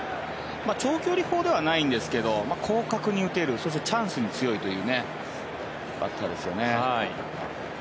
長距離砲ではないんですが広角に打てるそしてチャンスに強いというバッターですよね。